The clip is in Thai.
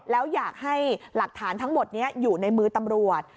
แล้วอยากให้หลักฐานทั้งหมดนี้อยู่ในมือตำรวจ